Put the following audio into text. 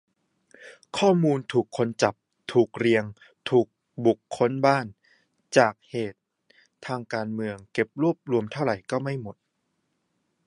ข้อมูลคนถูกจับ ถูกเรียก ถูกบุกค้นบ้าน จากเหตุทางการเมือง เก็บรวบรวมเท่าไรก็ไม่หมด